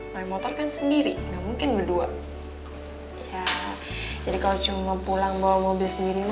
naik motor kan sendiri mungkin berdua ya jadi kalau cuma pulang bawa mobil sendiri